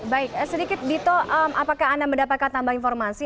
baik sedikit dito apakah anda mendapatkan tambah informasi